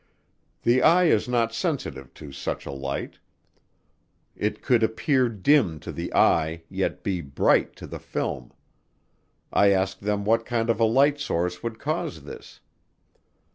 The eye is not sensitive to such a light, it could appear dim to the eye yet be "bright" to the film. I asked them what kind of a light source would cause this.